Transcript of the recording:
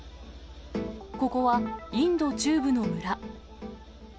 ここは、インド中部の村。